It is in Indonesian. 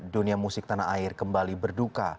dunia musik tanah air kembali berduka